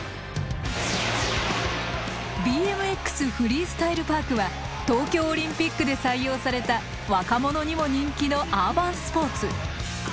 フリースタイルパークは東京オリンピックで採用された若者にも人気のアーバンスポーツ。